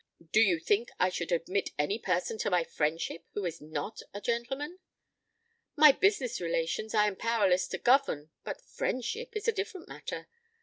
"Do you think I should admit any person to my friendship who is not a gentleman? My business relations I am powerless to govern; but friendship is a different matter.